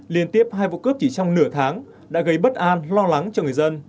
liên tiếp hai vụ cướp chỉ trong nửa tháng đã gây bất an lo lắng cho người dân